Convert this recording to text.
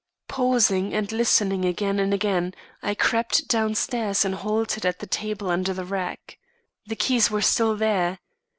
"Pausing and listening again and again, I crept downstairs and halted at the table under the rack. The keys were still there.